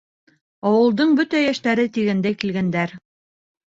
Ауылдың бөтә йәштәре тигәндәй килгәндәр.